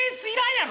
やろ